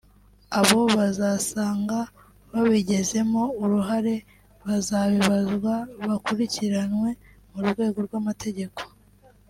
abo bazasanga babigizemo uruhare bazabibazwa bakurikiranwe mu rwego rw’amategeko